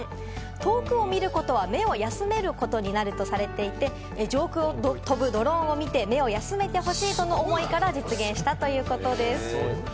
遠くを見ることは目を休めることになるとされていて、上空を飛ぶドローンを見て、目を休めてほしいとの思いから、実現したということです。